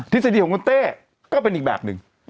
ฤษฎีของคุณเต้ก็เป็นอีกแบบหนึ่ง